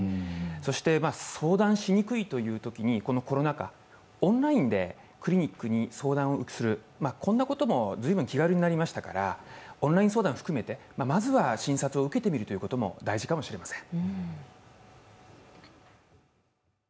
そして相談しにくいというときにこのコロナ禍、オンラインでクリニックに相談する、こんなことも随分気軽になりましたから、オンライン相談を含めてまずは診察を受けてみることも大事かもしれません。